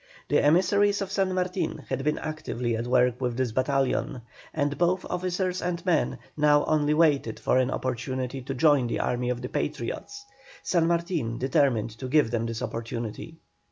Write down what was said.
The emissaries of San Martin had been actively at work with this battalion, and both officers and men now only waited for an opportunity to join the army of the Patriots. San Martin determined to give them this opportunity.